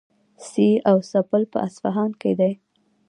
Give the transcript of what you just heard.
سي او سه پل په اصفهان کې دی.